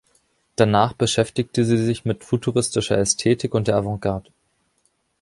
Danach beschäftigte sie sich mit futuristischer Ästhetik und der Avantgarde.